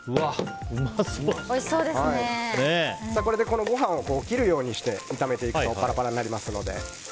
これでご飯を切るようにして炒めていくとパラパラになりますので。